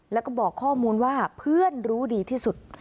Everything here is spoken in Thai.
แล้วก็บอกข้อมูลว่าเพื่อนรู้ดีที่สุด